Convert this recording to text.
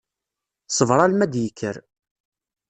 Ssbeṛ alma i d-yekker.